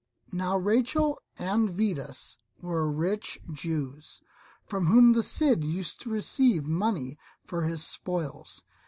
Now Rachel and Vidas were rich Jews, from whom the Cid used to receive money for his spoils.